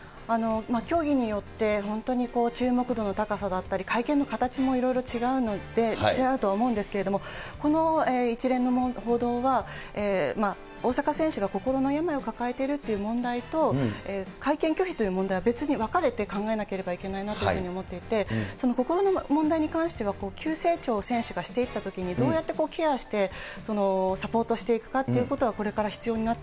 競技によって、本当に注目度の高さだったり、会見の形もいろいろ違うとは思うんですけれども、この一連の報道は、大坂選手が心の病を抱えているという問題と、会見拒否という問題は別に分かれて考えなければいけないなというふうに思っていて、心の問題に関しては急成長を選手がしていったときに、どうやってケアしてサポートしていくかということはこれから必要